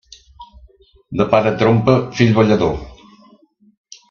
De pare trompa, fill ballador.